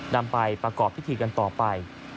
นำไปประกอบพิธีกันต่อไป